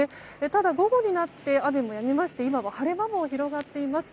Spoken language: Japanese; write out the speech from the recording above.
ただ、午後になって雨もやみまして今は晴れ間も広がっています。